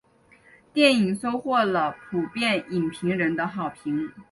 电影收获了普遍影评人的好评。